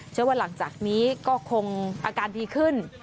เชื่อว่าหลังจากนี้ก็คงอาการดีขึ้น